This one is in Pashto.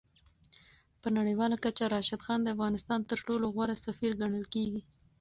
په نړیواله کچه راشد خان د افغانستان تر ټولو غوره سفیر ګڼل کېږي.